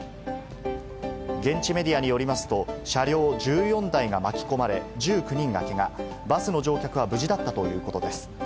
現地メディアによりますと、車両１４台が巻き込まれ、１９人がけが、バスの乗客は無事だったということです。